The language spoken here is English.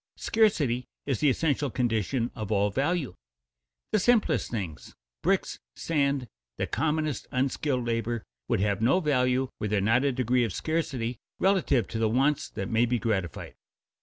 _ Scarcity is the essential condition of all value. The simplest things bricks, sand, the commonest unskilled labor would have no value were there not a degree of scarcity relative to the wants that may be gratified.